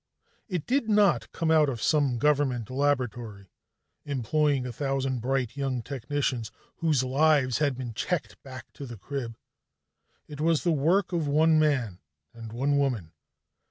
] It did not come out of some government laboratory employing a thousand bright young technicians whose lives had been checked back to the crib; it was the work of one man and one woman.